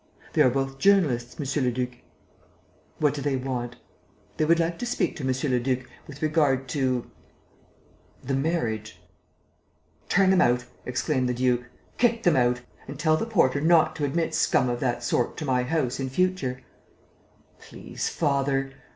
"They are both journalists, monsieur le duc." "What do they want?" "They would like to speak to monsieur le duc with regard to ... the marriage...." "Turn them out!" exclaimed the duke. "Kick them out! And tell the porter not to admit scum of that sort to my house in future." "Please, father